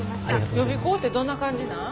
予備校ってどんな感じなん？